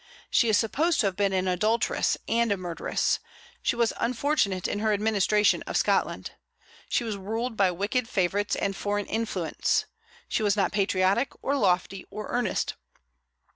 She is supposed to have been an adulteress and a murderess. She was unfortunate in her administration of Scotland. She was ruled by wicked favorites and foreign influence. She was not patriotic, or lofty, or earnest.